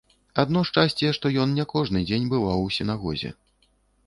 Адно шчасце, што ён не кожны дзень бываў у сінагозе.